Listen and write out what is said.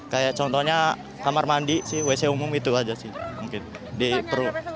kayak contohnya kamar mandi sih wc umum itu aja sih